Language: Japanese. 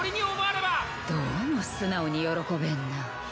どうも素直に喜べんな。